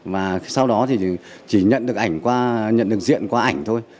và sau đó chỉ nhận được diện qua ảnh thôi